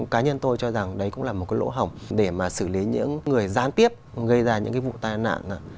cá nhân tôi cho rằng đấy cũng là một cái lỗ hỏng để mà xử lý những người gián tiếp gây ra những cái vụ tai nạn